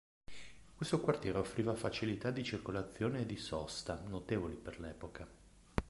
Questo quartiere offriva facilità di circolazione e di sosta notevoli per l'epoca.